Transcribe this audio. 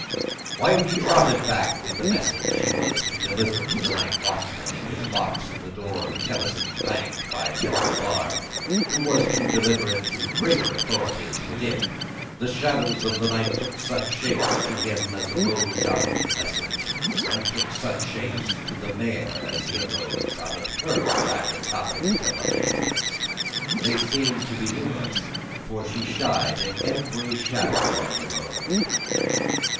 While he trotted back with the message he was to deliver to the night watchman in his box at the door of Tellson's Bank, by Temple Bar, who was to deliver it to greater authorities within, the shadows of the night took such shapes to him as arose out of the message, and took such shapes to the mare as arose out of her private topics of uneasiness. They seemed to be numerous, for she shied at every shadow on the road.